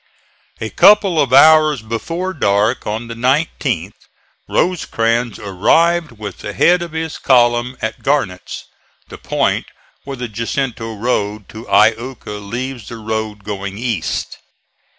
A couple of hours before dark on the 19th Rosecrans arrived with the head of his column at Barnets, the point where the Jacinto road to Iuka leaves the road going east.